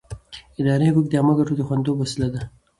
اداري حقوق د عامه ګټو د خوندیتوب وسیله ده.